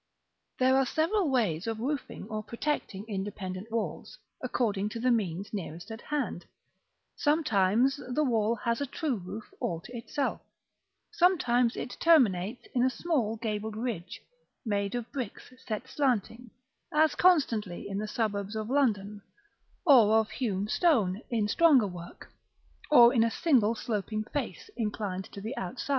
There are several ways of roofing or protecting independent walls, according to the means nearest at hand: sometimes the wall has a true roof all to itself; sometimes it terminates in a small gabled ridge, made of bricks set slanting, as constantly in the suburbs of London; or of hewn stone, in stronger work; or in a single sloping face, inclined to the outside.